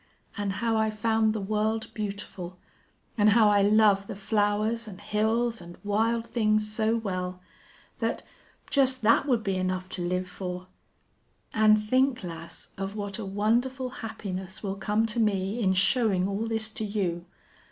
An' how I found the world beautiful, an' how I love the flowers an' hills an' wild things so well that, just that would be enough to live for!... An' think, lass, of what a wonderful happiness will come to me in showin' all this to you.